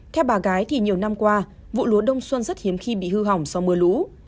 theo bà gái thì nhiều năm qua vụ lúa đông xuân rất hiếm khi bị hư hỏng do mưa lũ